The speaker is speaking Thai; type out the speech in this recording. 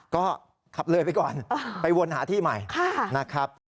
ก็ขับเลยไปก่อนไปวนหาที่ใหม่นะครับ